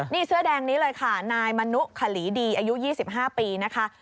นี่เสื้อแดงนี้เลยค่ะนายมนุขลีดีอายุ๒๕ปีนะคะ